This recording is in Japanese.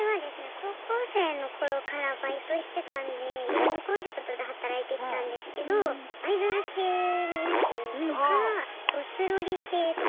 高校生の頃からバイトしてたんでいろんなコンセプトで働いてきたんですけどアイドル系の衣装とかゴスロリ系とか。